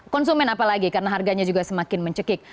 konsumen apalagi karena harganya juga semakin mencekik